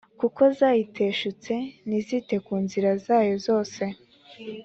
kuko zayiteshutse ntizite ku nzira zayo zose